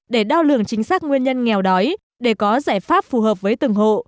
để đo lường chính xác nguyên nhân nghèo đói để có giải pháp phù hợp với từng hộ